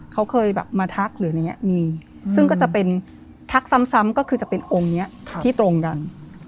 เขาเคยแบบมาทักหรืออะไรอย่างนี้มีซึ่งก็จะเป็นทักซ้ำก็คือจะเป็นองค์นี้ที่ตรงกัน